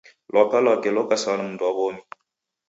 Lwaka lwake loka sa mundu wa w'omi.